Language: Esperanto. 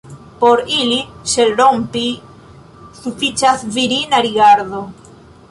Por ilin ŝelrompi, sufiĉas virina rigardo.